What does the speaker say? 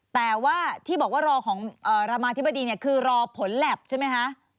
แต่ว่าที่บอกว่ารอของรามาธิบดีเนี่ยคือรอผลแล็บใช่ไหมคะ